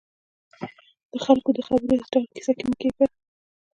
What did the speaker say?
د خلکو د خبرو هېڅ ډول کیسه کې مه کېږئ